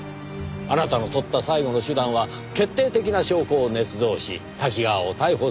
あなたの取った最後の手段は決定的な証拠を捏造し瀧川を逮捕する事だった。